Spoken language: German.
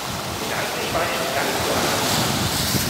Gedanklich war ich schon ganz woanders.